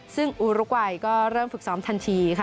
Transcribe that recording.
ซึ่งอูรุกวัยก็เริ่มฝึกซ้อมทันทีค่ะ